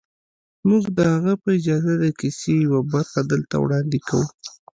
موږ د هغه په اجازه د کیسې یوه برخه دلته وړاندې کوو